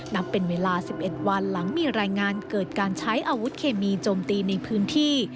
นับเป็นเวลา๑๑วันหลังมีรายงานเกิดการใช้อาวุธเคมีโจมตีในพื้นที่